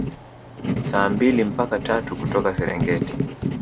Saa mbili mpaka tatu kutoka Serengeti